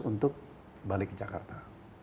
untuk balik ke jakarta